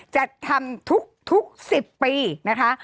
จะทำทุก๑๐ปีนะคะ